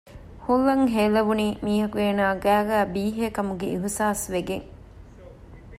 ހުލް އަށް ހޭލެވުނީ މީހަކު އޭނާގެ ގައިގައި ބީހޭ ކަމުގެ އިހުސާސްވެގެން